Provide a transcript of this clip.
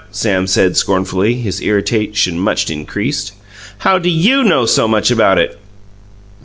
Sam said scornfully, his irritation much increased. "How do YOU know so much about it?"